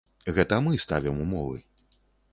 Гэта мы ставім умовы.